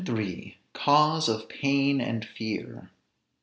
CAUSE OF PAIN AND FEAR.